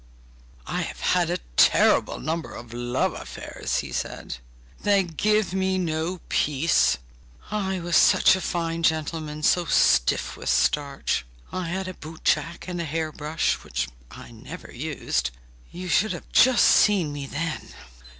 'I have had a terrible number of love affairs!' he said. 'They give me no peace. I was such a fine gentleman, so stiff with starch! I had a boot jack and a hair brush, which I never used! You should just have seen me then!